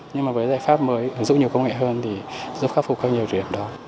nhưng mà với giải pháp mới ứng dụng nhiều công nghệ hơn thì giúp khắc phục hơn nhiều điểm đó